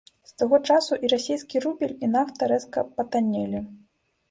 З таго часу і расійскі рубель, і нафта рэзка патаннелі.